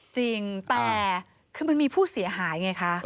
จริงแต่คือมันมีผู้เสียหายไงคะ